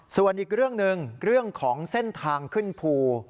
ส่วนอีกเรื่องหนึ่งเรื่องของเส้นทางขึ้นภู